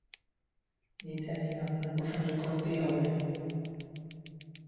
Miss Anning, আপনার প্রশংসা করতেই হবে।